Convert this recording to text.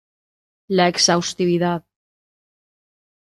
La exhaustividad.